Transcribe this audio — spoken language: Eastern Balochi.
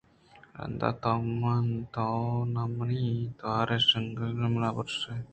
رَندا تو نا مئے توارے اِشکنئے نا برٛمشے